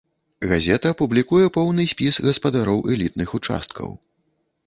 Газета публікуе поўны спіс гаспадароў элітных участкаў.